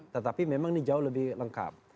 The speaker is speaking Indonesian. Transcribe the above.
tetapi memang ini jauh lebih lengkap